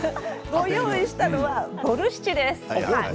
用意したのはボルシチです。